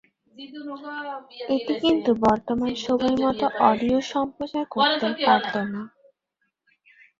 এটি কিন্তু বর্তমান সময়ের মত অডিও সম্প্রচার করতে পারত না।